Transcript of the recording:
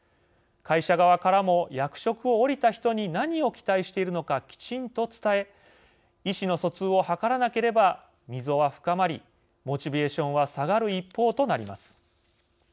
会社側からも役職を降りた人に何を期待しているのかきちんと伝え意思の疎通を図らなければ溝は深まり、モチベーションは下がる一方となります。